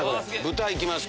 豚いきます